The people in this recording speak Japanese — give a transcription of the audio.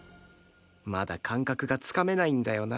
まだ感覚がつかめないんだよな